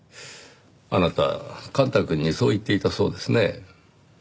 あなた幹太くんにそう言っていたそうですね。